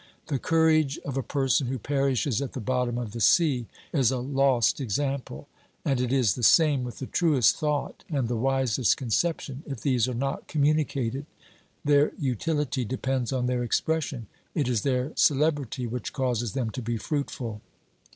The courage of a person who perishes at the bottom of the sea is a lost ex ample, and it is the same with the truest thought and the wisest concejJtion if these are not communicated ; their utility depends on their expression, it is their celebrity which causes them to be fruitful.